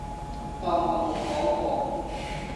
當我冇講過